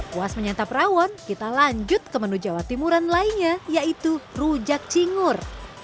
puas menyantap rawon kita lanjut ke menu jawa timuran lainnya yaitu rujak cingur